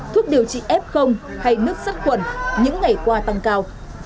thuốc điều trị f hay nước sắt quẩn những ngày qua tăng cao